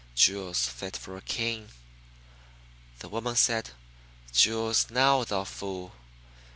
Jewels fit for a king!" The woman said, "Jewels now, thou fool!